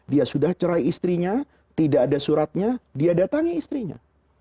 dia sudah cerai istrinya tidak ada suratnya dia datangi istrinya